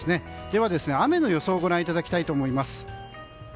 では、雨の予想をご覧いただきたいと思います。